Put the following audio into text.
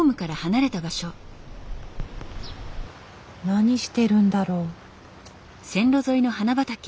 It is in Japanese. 何してるんだろう？